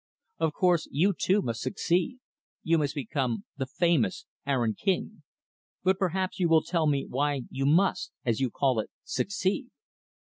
Of course, you, too, must succeed. You must become the famous Aaron King. But perhaps you will tell me why you must, as you call it, succeed?"